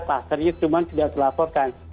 klusternya cuma tidak dilaporkan